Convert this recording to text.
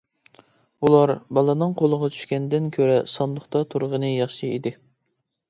ئۇلار بالىنىڭ قولىغا چۈشكەندىن كۆرە ساندۇقتا تۇرغىنى ياخشى ئىدى.